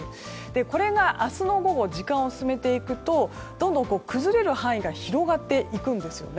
これが、明日の午後に時間を進めていくとどんどん、崩れる範囲が広がっていくんですね。